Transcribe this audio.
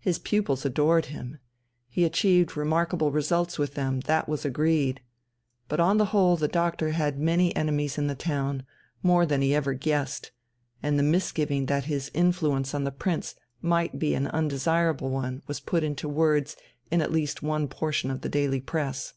His pupils adored him; he achieved remarkable results with them, that was agreed. But on the whole the Doctor had many enemies in the town, more than he ever guessed, and the misgiving that his influence on the Prince might be an undesirable one was put into words in at least one portion of the daily press....